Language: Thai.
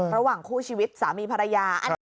ระหว่างคู่ชีวิตสามีภรรยา